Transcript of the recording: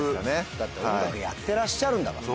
だって音楽やってらっしゃるんだから。